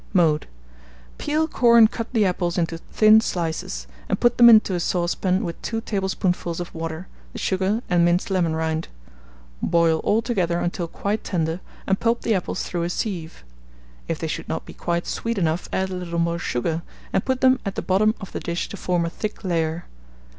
Mode. Peel, core, and cut the apples into thin slices, and put them into a saucepan with 2 tablespoonfuls of water, the sugar, and minced lemon rind. Boil all together until quite tender, and pulp the apples through a sieve; if they should not be quite sweet enough, add a little more sugar, and put them at the bottom of the dish to form a thick layer.